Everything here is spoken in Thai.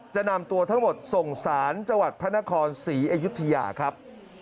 จะนำตัวทั้งหมดส่งสารจังหวัดพระนครศรีอยุธยาครับ